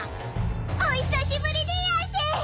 お久しぶりでやんす！